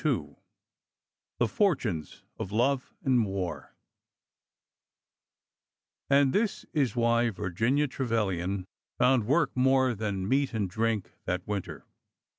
CHAPTER XLII THE FORTUNES OF LOVE AND WAR AND this is why Virginia Trevilian found work more than meat and drink that winter.